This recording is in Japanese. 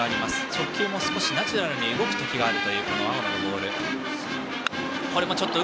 直球も少しナチュラルに泳ぐときがあるという青野のボール。